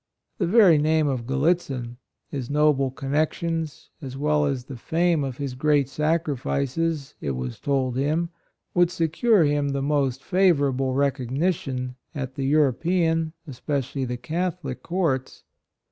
The very name of Gallitzin — his noble con nexions, as well as the fame of his great sacrifices, it was told him, would secure him the most favora ble reception at the European, especially the Catholic, Courts.